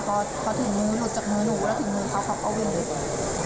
พอถึงหลุดจากหนูก็ถึงของเขาก็วิ่งอยู่